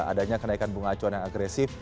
adanya kenaikan bunga acuan yang agresif